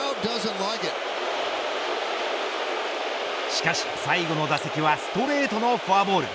しかし最後の打席はストレートのフォアボール。